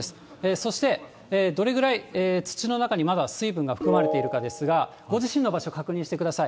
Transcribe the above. そしてどれぐらい、土の中にまだ水分が含まれているかですが、ご自身の場所、確認してください。